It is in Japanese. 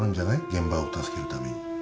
現場を助けるために。